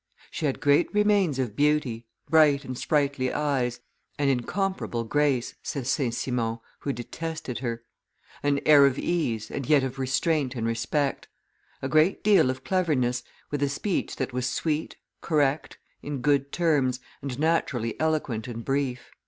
"She had great remains of beauty, bright and sprightly eyes, an imcomparable grace," says St. Simon, who detested her; "an air of ease, and yet of restraint and respect; a great deal of cleverness, with a speech that was sweet, correct, in good terms, and naturally eloquent and brief."